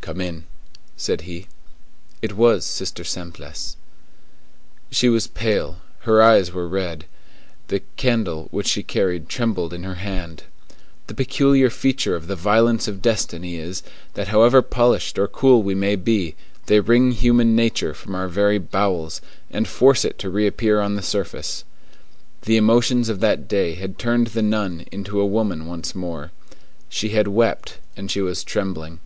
"Come in," said he. It was Sister Simplice. She was pale; her eyes were red; the candle which she carried trembled in her hand. The peculiar feature of the violences of destiny is, that however polished or cool we may be, they wring human nature from our very bowels, and force it to reappear on the surface. The emotions of that day had turned the nun into a woman once more. She had wept, and she was trembling.